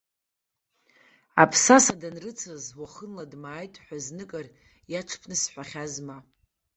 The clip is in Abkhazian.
Аԥсаса данрыцыз, уахынла дмааит ҳәа, зныкыр иаҽԥнысҳәахьазма?!